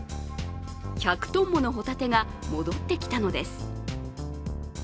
１００ｔものホタテが戻ってきたのです。